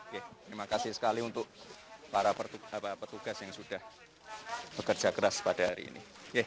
terima kasih sekali untuk para petugas yang sudah bekerja keras pada hari ini